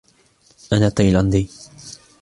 أنا تايلاندي.